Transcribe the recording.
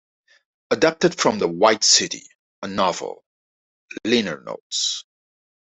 Adapted from the "White City: A Novel" liner notes.